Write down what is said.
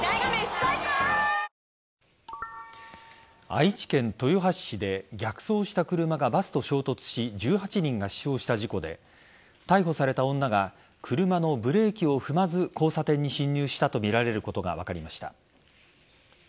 愛知県豊橋市で逆走した車がバスと衝突し１８人が死傷した事故で逮捕された女が車のブレーキを踏まず交差点に進入したとみられることが分かりました。